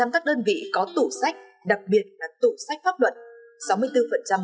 một trăm linh các đơn vị có tủ sách đặc biệt là tủ sách pháp luận